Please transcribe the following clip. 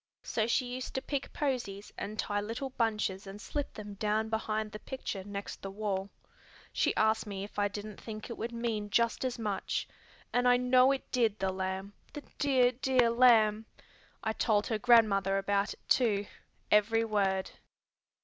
So she used to pick posies and tie little bunches and slip them down behind the picture next the wall. She asked me if I didn't think it would mean just as much. And I know it did, the lamb, the dear, dear lamb! I told her grandmother about it too, every word.